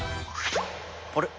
あれ？